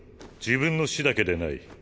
自分の死だけでない。